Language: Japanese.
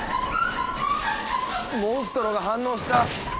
モンストロが反応した！